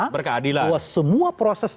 berkeadilan bahwa semua proses